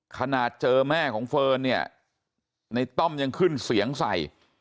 ขนาดเจอแม่ของเฟิร์นเนี่ยในต้อมยังขึ้นเสียงใส่